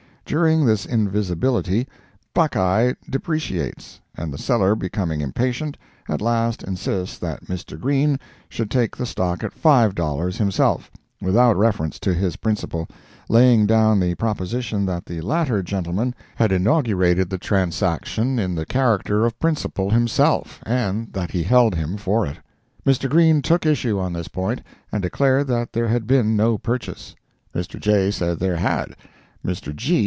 During this invisibility, "Buckeye" depreciates, and the seller becoming impatient, at last insists that Mr. Green should take the stock at five dollars, himself, without reference to his principal, laying down the proposition that the latter gentleman had inaugurated the transaction in the character of principal himself, and that he held him for it. Mr. Green took issue on this point, and declared that there had been no purchase. Mr. J. said there had—Mr. G.